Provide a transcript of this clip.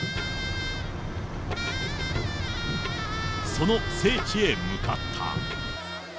その聖地へ向かった。